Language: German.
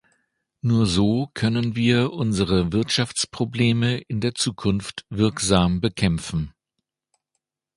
Nur so können wir unsere Wirtschaftsprobleme in der Zukunft wirksam bekämpfen.